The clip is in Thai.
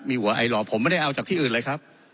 มีหัวไอหล่อผมไม่ได้เอาจากที่อื่นเลยครับ